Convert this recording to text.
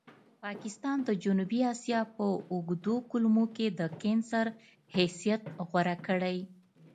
پاکستان د جنوبي اسیا په اوږدو کولمو کې د کېنسر حیثیت غوره کړی.